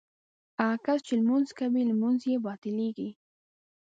هغه کس چې لمونځ کوي لمونځ یې باطلېږي.